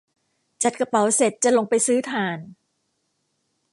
จัดกระเป๋าเสร็จจะลงไปซื้อถ่าน